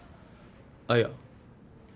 あっいや。